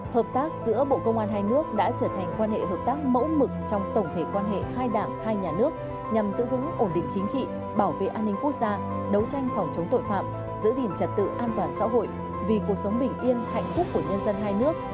hợp tác giữa bộ công an hai nước đã trở thành quan hệ hợp tác mẫu mực trong tổng thể quan hệ hai đảng hai nhà nước nhằm giữ vững ổn định chính trị bảo vệ an ninh quốc gia đấu tranh phòng chống tội phạm giữ gìn trật tự an toàn xã hội vì cuộc sống bình yên hạnh phúc của nhân dân hai nước